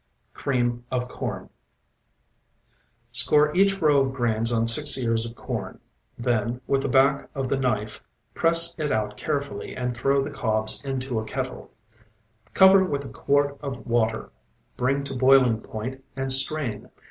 CREAM OF CORN Score each row of grains on six ears of corn; then, with the back of the knife press it out carefully and throw the cobs into a kettle; cover with a quart of water, bring to boiling point and strain.